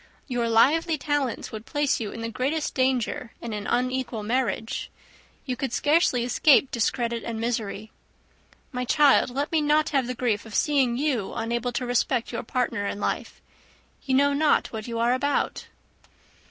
Your lively talents would place you in the greatest danger in an unequal marriage. You could scarcely escape discredit and misery. My child, let me not have the grief of seeing you unable to respect your partner in life. You know not what you are about."